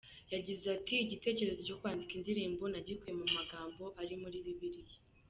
Yagize ati "Igitekerezo cyo kwandika indirimbo nagikuye mu magambo ari muri Bibiliya.